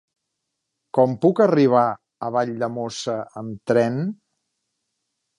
Com puc arribar a Valldemossa amb tren?